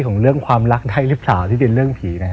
ของเรื่องความรักได้หรือเปล่าที่เป็นเรื่องผีนะฮะ